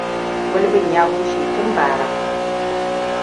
Gulbin ya bushe tun bara.